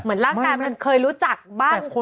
เหมือนร่างกายมันเคยรู้จักบ้าง